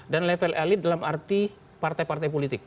dan level elite dalam arti partai partai politik